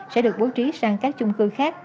sẽ được bố trí sang các chung cư khác